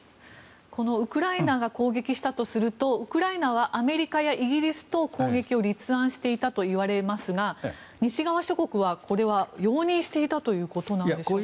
ウクライナが攻撃したとするとウクライナはアメリカやイギリスと攻撃を立案していたといわれますが西側諸国はこれは容認していたということですか？